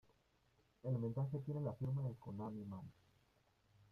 El mensaje tiene la firma de Konami Man.